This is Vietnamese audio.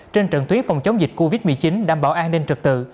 trên trận tuyến phòng chống dịch covid một mươi chín đảm bảo an ninh trật tự